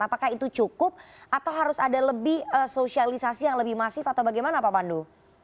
apakah itu cukup atau harus ada lebih sosialisasi yang lebih masif atau bagaimana pak pandu